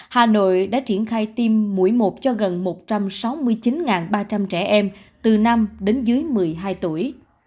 hà nội đã triển khai tiêm mũi một cho gần một trăm sáu mươi chín ba trăm linh trẻ em từ năm đến dưới một mươi hai tuổi